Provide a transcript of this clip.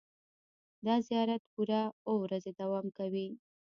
دا زیارت پوره اوه ورځې دوام کوي.